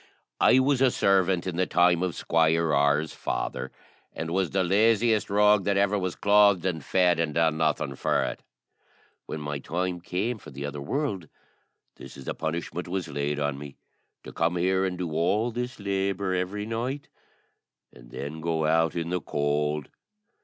I was a servant in the time of Squire R.'s father, and was the laziest rogue that ever was clothed and fed, and done nothing for it. When my time came for the other world, this is the punishment was laid on me to come here and do all this labour every night, and then go out in the cold.